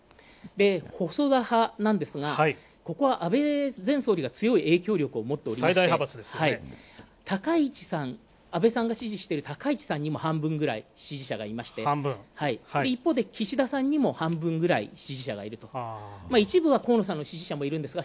細田派なんですが、ここは安倍前総理が強い影響力を持っておりまして安倍さんが支持している高市さんにも半分ぐらい支持者がいまして一方で岸田さんにも半分ぐらい支持者がいて、少数にとどまっています。